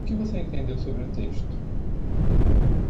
O que você entedeu sobre o texto?